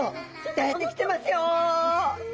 出てきてますよ！